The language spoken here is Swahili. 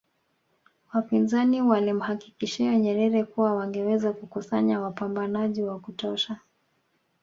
Wapinzani walimhakikishia Nyerere kuwa wangeweza kukusanya wapambanaji wa kutosha